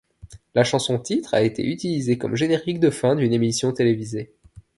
La chanson-titre a été utilisée comme générique de fin d'une émission télévisée.